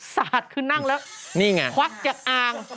สะอาดคือนั่งแล้วทวักจากอาง